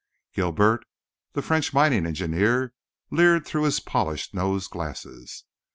Guilbert, the French mining engineer, leered through his polished nose glasses.